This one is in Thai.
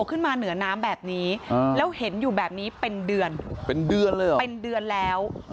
ขึ้นมาเหนือน้ำแบบนี้แล้วเห็นอยู่แบบนี้เป็นเดือนเป็นเดือนแล้ว